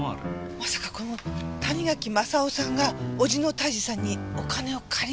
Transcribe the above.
まさかこの谷垣正雄さんが叔父の泰治さんにお金を借りに行って。